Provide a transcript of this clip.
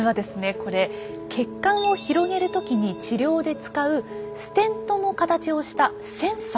これ血管を広げる時に治療で使うステントの形をしたセンサーなんです。